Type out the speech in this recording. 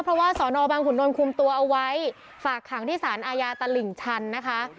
เพราะว่าสอนอบางขุนนลคุมตัวเอาไว้ฝากขังที่สารอาญาตลิ่งชันนะคะ